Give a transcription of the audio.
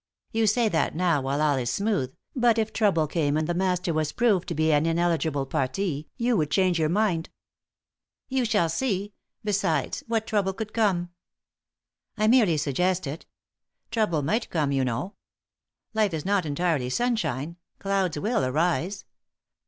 "You say that now while all is smooth; but if trouble came, and the Master was proved to be an ineligible parti, you would your mind." "You shall see. Besides, what trouble could come?" "I merely suggest it. Trouble might come, you know. Life is not entirely sunshine; clouds will arise.